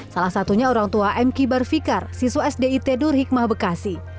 salah satunya orang tua m kibar fikar siswa sdi tedur hikmah bekasi